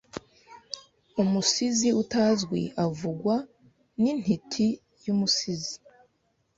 Umusizi utazwi avugwa nintiti yumusizi